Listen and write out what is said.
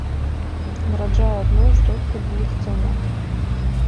Нараджае адно, зрэдку двух дзіцянят.